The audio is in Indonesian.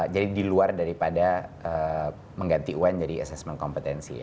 jadi di luar daripada mengganti un jadi assessment kompetensi ya